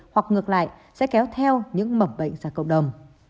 hoặc ngược lại sẽ kéo theo những mầm bệnh ra cộng đồng